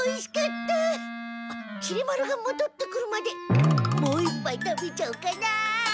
きり丸がもどってくるまでもう一ぱい食べちゃおうかな！